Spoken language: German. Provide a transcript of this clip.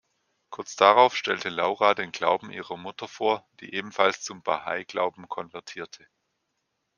Kurz darauf stellte Laura den Glauben ihrer Mutter vor, die ebenfalls zum Bahai-Glauben konvertierte.